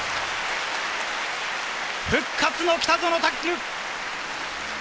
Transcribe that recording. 復活の北園丈琉！